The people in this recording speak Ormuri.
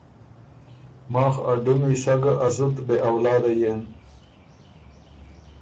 ماخ ا ډُمی سَۀ ګه ا زُت بې اولاده یېن